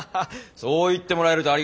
そう言ってもらえるとありがたいよ。